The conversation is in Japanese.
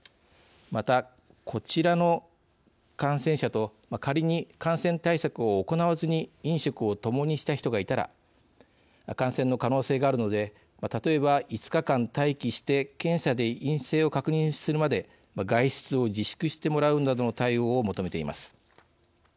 また、こちらの感染者と仮に感染対策を行わずに飲食を共にした人がいたら感染の可能性があるので例えば５日間待機して検査で陰性を確認するまで外出を自粛してもらうなどの対応を求めています。